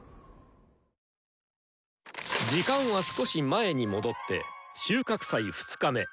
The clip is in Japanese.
時間は少し前に戻って「収穫祭２日目」！